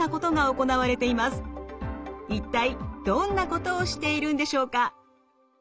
一体どんなことをしているんでしょうか。